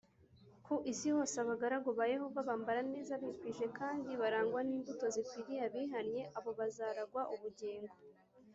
Ku isi hose abagaragu ba Yehova bambara neza bikwije kandi barangwa n’imbuto zikwiriye abihannye abo bazaragwa ubugingo.